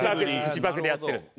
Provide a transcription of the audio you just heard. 口パクでやってるんです。